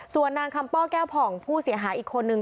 ส่วนนางคำป้อแก้วผ่องผู้เสียหายอีกคนนึง